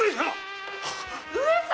上様！